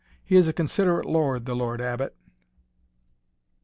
He is a considerate lord the Lord Abbot."